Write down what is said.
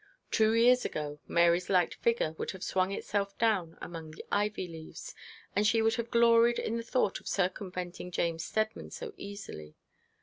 Two years ago Mary's light figure would have swung itself down among the ivy leaves, and she would have gloried in the thought of circumventing James Steadman so easily.